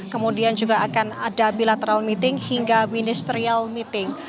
kemudian juga akan ada bilateral meeting hingga ministerial meeting